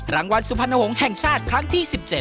รางวัลสุพรรณหงษ์แห่งชาติครั้งที่๑๗